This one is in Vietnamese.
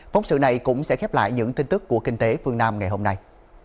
phóng sự này cũng sẽ khép lại những tin tức của kinh tế phương nam ngày hôm nay